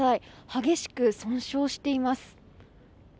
激しく損傷しています。